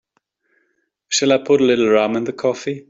Shall I put a little rum in the coffee?